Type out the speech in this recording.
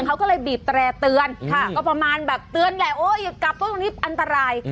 เขาก็เลยบีบแตรีย์เตือนค่ะก็แบบเตือนแหละโอ๊ยกลับก็อันตราย